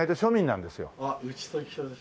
あっうちと一緒です。